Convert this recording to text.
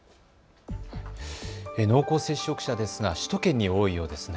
濃厚接触者ですが首都圏に多いようですね。